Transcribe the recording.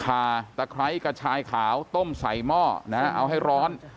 ตะไคร้กระชายขาวต้มใส่หม้อนะฮะเอาให้ร้อน